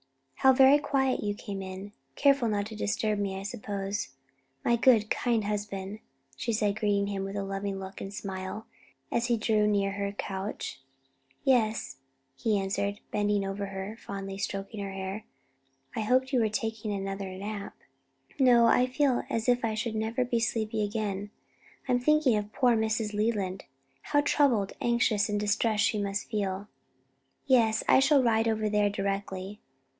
"How very quietly you came in; careful not to disturb me I suppose, my good, kind husband," she said greeting him with a loving look and smile, as he drew near her couch. "Yes," he answered, bending over her and fondly stroking her hair. "I hoped you were taking another nap." "No, I feel as if I should never be sleepy again. I'm thinking of poor Mrs. Leland. How troubled, anxious and distressed she must feel." "Yes; I shall ride over there directly."